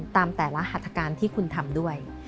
ตามแต่ละหัตการณ์ที่คุณทำด้วย